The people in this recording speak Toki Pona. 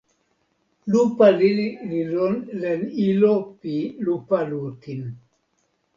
lupa lili li lon len ilo pi lupa lukin.